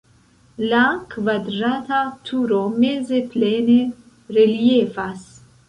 La kvadrata turo meze plene reliefas.